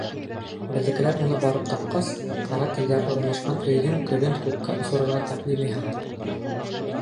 Беҙҙекеләр уны барып тапҡас, карателдәр урынлашҡан өйҙөң көлөн күккә осорорға тәҡдим яһаған.